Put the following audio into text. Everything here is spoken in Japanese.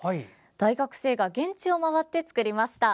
大学生が現地を回って作りました。